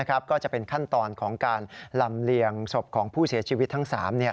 ก็จะเป็นขั้นตอนของการลำเลียงศพของผู้เสียชีวิตทั้ง๓